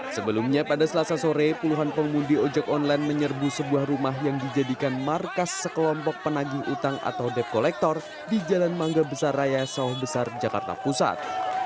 sebelumnya pada selasa sore puluhan pengemudi ojek online menyerbu sebuah rumah yang dijadikan markas sekelompok penagih utang atau dep kolektor di jalan mangga besar raya sawah besar jakarta pusat